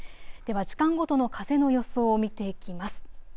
時間ごとの風の予想を見ていきます。